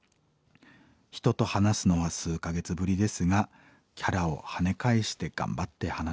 人と話すのは数か月ぶりですがキャラをはね返して頑張って話しました。